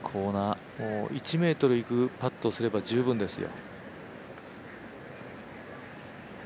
１ｍいくパットすれば、もう十分ですよ。